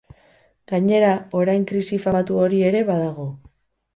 Gainera orain krisi famatu hori ere badago.